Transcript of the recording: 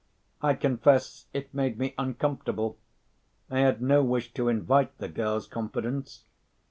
I confess it made me uncomfortable. I had no wish to invite the girl's confidence.